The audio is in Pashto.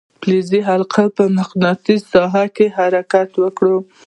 فلزي حلقه په مقناطیسي ساحه کې حرکت وکړي.